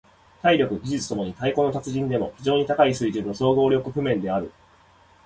体力・技術共に太鼓の達人でも非常に高い水準の総合力譜面である。